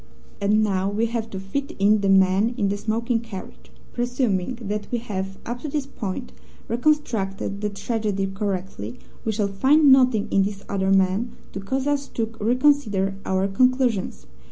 "And now we have to fit in the man in the smoking carriage. Presuming that we have, up to this point, reconstructed the tragedy correctly, we shall find nothing in this other man to cause us to reconsider our conclusions.